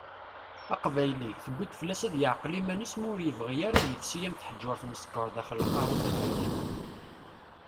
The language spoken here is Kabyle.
Aqbayli, tuwi-d fell-as ad yeɛqel iman-is ma ur yebɣi ara ad yefsi am teḥjurt n ssekker daxel lqahwa taberkant.